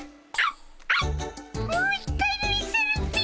もう一回見せるっピ。